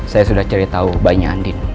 saya sudah ceritahu bayinya andin